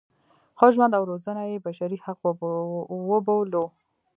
ښه ژوند او روزنه یې بشري حق وبولو.